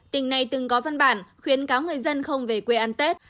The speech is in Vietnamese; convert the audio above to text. tỉnh này từng có văn bản khuyến cáo người dân không về quê ăn tết